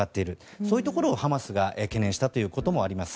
そういうところをハマスが懸念したということもあります。